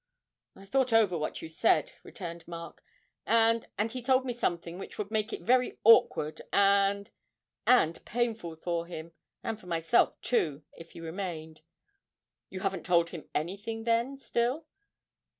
'I thought over what you said,' returned Mark, 'and and he told me something which would make it very awkward and and painful for him, and for myself too, if he remained.' 'You haven't told him anything, then, still?'